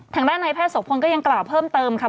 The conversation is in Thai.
ทางด้านในแพทย์โสพลก็ยังกล่าวเพิ่มเติมค่ะ